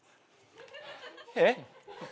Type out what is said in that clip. えっ？